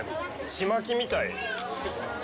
ちまきみたい。